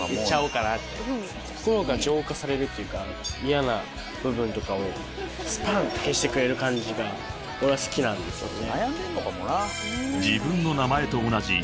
心が浄化されるっていうか嫌な部分とかをスパンって消してくれる感じが俺は好きなんですよね。